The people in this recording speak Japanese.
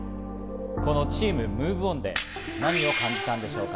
このチームＭｏｖｅＯｎで何を感じたんでしょうか？